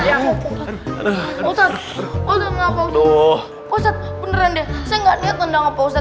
ustadz ustadz kenapa ustadz beneran deh saya nggak niat nendang apa ustadz